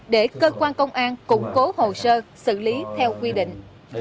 để cơ quan công an củng cố hồ sơ xử lý theo quy định